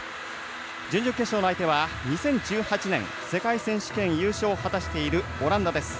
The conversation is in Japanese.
準々決勝の相手は２０１８年世界選手権、優勝を果たしているオランダです。